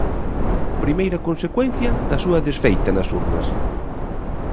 Primeira consecuencia da súa desfeita nas urnas.